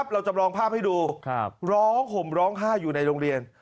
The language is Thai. เราจำลองภาพให้ดูร้องห่มร้องไห้อยู่ในโรงเรียน